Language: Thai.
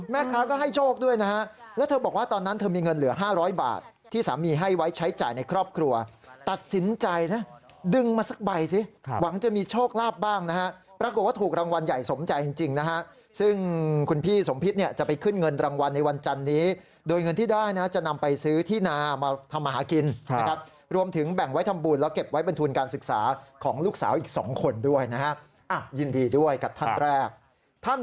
แม่ค้าก็ให้โชคด้วยนะฮะแล้วเธอบอกว่าตอนนั้นเธอมีเงินเหลือ๕๐๐บาทที่สามีให้ไว้ใช้จ่ายในครอบครัวตัดสินใจนะดึงมาสักใบซิหวังจะมีโชคลาบบ้างนะฮะปรากฏว่าถูกรางวัลใหญ่สมใจจริงนะฮะซึ่งคุณพี่สมพิษเนี่ยจะไปขึ้นเงินรางวัลในวันจันนี้โดยเงินที่ได้นะจะนำไปซื้อที่นามาทำหากิน